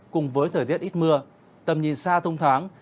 cùng với thời tiết ít mưa tầm nhìn xa thông thoáng